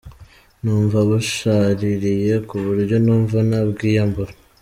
Numva bunshaririye ku buryo numva nabwiyambura.